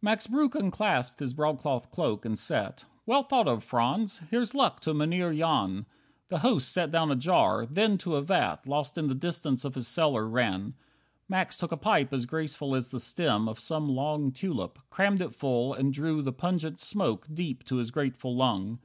5 Max Breuck unclasped his broadcloth cloak, and sat. "Well thought of, Franz; here's luck to Mynheer Jan." The host set down a jar; then to a vat Lost in the distance of his cellar, ran. Max took a pipe as graceful as the stem Of some long tulip, crammed it full, and drew The pungent smoke deep to his grateful lung.